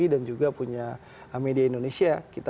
dan juga punya media indonesia